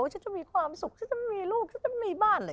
ฉันจะมีความสุขฉันจะมีลูกฉันจะมีบ้านอะไร